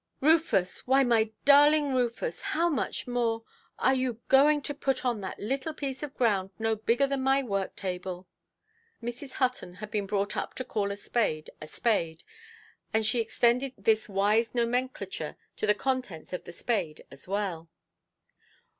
"Rufus, why, my darling Rufus, how much more——are you going to put on that little piece of ground, no bigger than my work–table"? Mrs. Hutton had been brought up to "call a spade a spade"; and she extended this wise nomenclature to the contents of the spade as well.